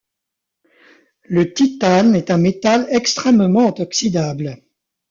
Le titane est un métal extrêmement oxydable.